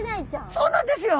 そうなんですよ。